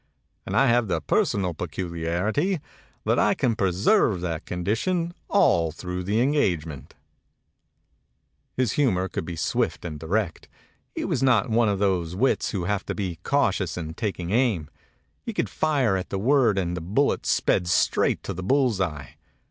And I have the personal peculiarity that I can preserve that condition all through the engagement !" His humor could be swift and direct. He was not one of those wits who have to be cau tious in taking aim; he could fire at the word and the bullet sped straight to the bull's eye.